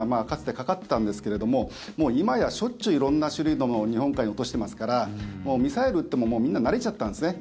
なので、それに対してアメリカから強い圧力がかつて、かかったんですけれども今やしょっちゅう色んな種類のものを日本海に落としてますからミサイル撃ってもみんな慣れちゃったんですね。